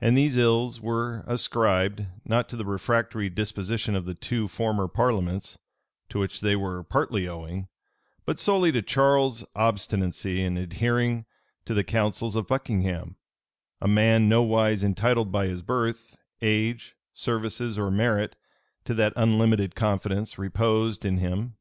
And these ills were ascribed, not to the refractory disposition of the two former parliaments, to which they were partly owing, but solely to Charles's obstinacy in adhering to the counsels of Buckingham, a man nowise entitled by his birth, age, services, or merit, to that unlimited confidence reposed in him.